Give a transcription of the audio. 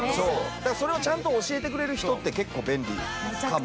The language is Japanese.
だからそれをちゃんと教えてくれる人って結構便利かも。